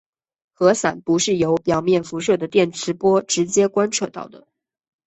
氦闪不是由表面辐射的电磁波直接观测到的。